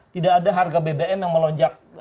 tidak ada harga bbm yang melonjak